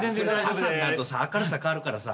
朝になると明るさ変わるからさ